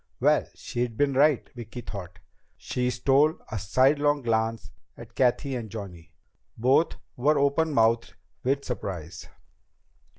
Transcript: Well, she'd been right, Vicki thought. She stole a sidelong glance at Cathy and Johnny. Both were openmouthed with surprise.